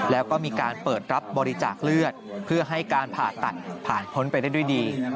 แล้วก็มีการเปิดรับบริจาคเลือดเพื่อให้การผ่าตัดผ่านพ้นไปได้ด้วยดี